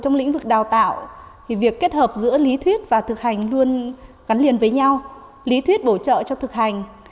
giữa lý thuyết và thực hành luôn gắn liền với nhau lý thuyết bổ trợ cho thực hành